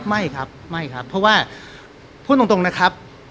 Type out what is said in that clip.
ไม่ครับไม่ครับเพราะว่าพูดตรงนะครับ